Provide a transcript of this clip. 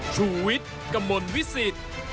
ชุวิตกระมวลวิสิต